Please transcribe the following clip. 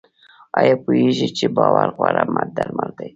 ایا پوهیږئ چې باور غوره درمل دی؟